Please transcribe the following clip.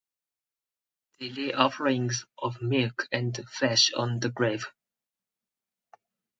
They lay offerings of milk and flesh on the grave.